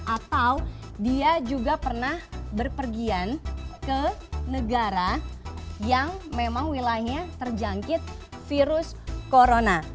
atau dia juga pernah berpergian ke negara yang memang wilayahnya terjangkit virus corona